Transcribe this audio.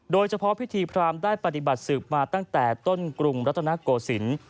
โดยเฉพาะพิธีพรามได้ปฏิบัติสืบมาตั้งแต่ต้นกรุงรัตนโกศิลป์